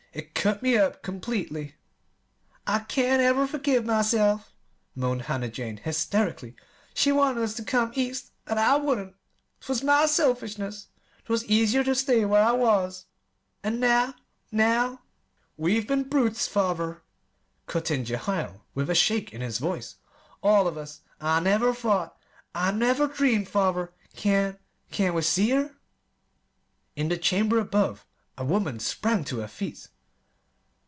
"It cut me up completely." "I can't ever forgive myself," moaned Hannah Jane hysterically. "She wanted us to come East, and I wouldn't. 'Twas my selfishness 'twas easier to stay where I was; and now now " "We've been brutes, father," cut in Jehiel, with a shake in his voice; "all of us. I never thought I never dreamed father, can can we see her?" In the chamber above a woman sprang to her feet.